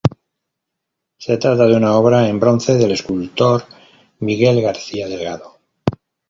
Se trata de una obra en bronce del escultor Miguel García Delgado.